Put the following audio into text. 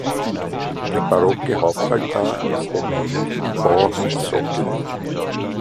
Der barocke Hauptaltar ist ein Volutenbau mit Sockeln.